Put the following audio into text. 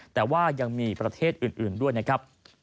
แต่ว่ายังมีประเทศอื่นด้วยนะครับ